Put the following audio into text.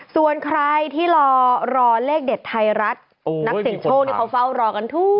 ส่วนใครที่รอเลขเด็ดไทรรัตนักศิลป์โชคเขาเฝ้ารอกันทุกงวด